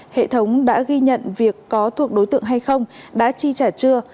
hệ thống đã ghi nhận việc có thuộc đối tượng hay không đã chi trả chưa